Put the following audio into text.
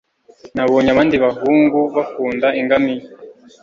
nabonye abandi bahungu bakunda ingamiya